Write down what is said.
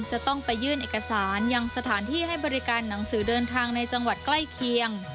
จะต้องไปยื่นเอกสารยังสถานที่ให้บริการหนังสือเดินทางในจังหวัดใกล้เคียง